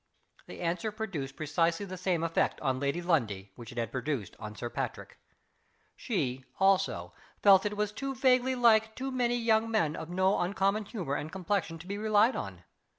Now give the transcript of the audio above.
The answer produced precisely the same effect on Lady Lundie which it had produced on Sir Patrick. She, also, felt that it was too vaguely like too many young men of no uncommon humor and complexion to be relied on.